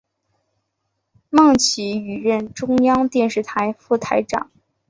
孟启予任中央电视台副台长。